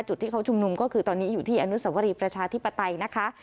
จุดที่เขาชุมนุมก็คือตอนนี้อยู่ที่อนุสวรีประชาธิปไตยนะคะ